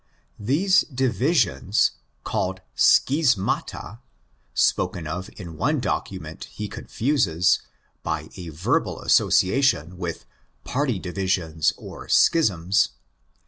The "" divisions"' (called σχίσματα) spoken of in one document he confuses, by a verbal association, with party divisions or '"'schisms"' (cf.